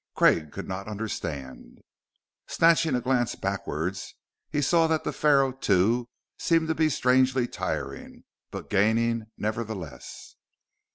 Craig could not understand. Snatching a glance backwards, he saw that the Pharaoh, too, seemed to be strangely tiring but gaining nevertheless....